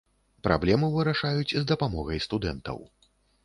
Праблему вырашаюць з дапамогай студэнтаў.